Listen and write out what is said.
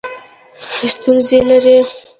ستونزې لرئ؟